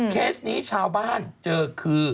เคสนี้ชาวบ้านเจอคือ